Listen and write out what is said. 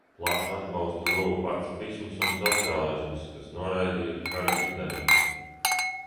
Plašu atbalstu guva pacifisms un sociālisms, kas noraidīja kara ideju.